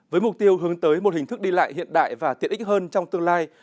với mục tiêu hướng tới một hình thức đi lại hiện đại và tiện ích hơn trong tương lai